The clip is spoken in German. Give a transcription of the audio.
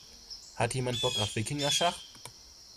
Hat jemand Bock auf Wikingerschach?